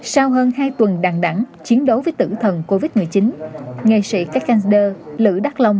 sau hơn hai tuần đàn đẳng chiến đấu với tử thần covid một mươi chín nghệ sĩ cát cà đơ lữ đắc lông